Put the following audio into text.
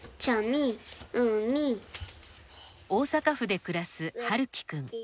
大阪府で暮らすはるきくん。